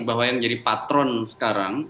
bahwa yang jadi patron sekarang